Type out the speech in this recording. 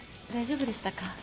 大丈夫でしたか？